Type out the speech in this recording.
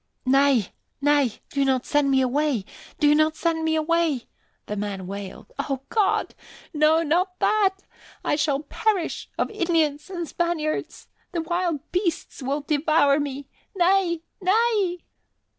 "Nay, nay, do not send me away! Do not send me away!" the man wailed. "O God! No, not that! I shall perish of Indians and Spaniards! The wild beasts will devour me. Nay! Nay!"